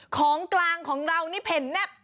ของกลางของเรานี่เผ่นแนบ